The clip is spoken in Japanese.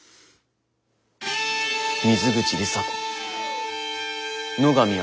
水口里紗子野上厚